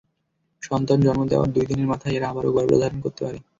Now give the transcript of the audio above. সন্তান জন্ম দেওয়ার দুই দিনের মাথায় এরা আবারও গর্ভধারণ করতে পারে।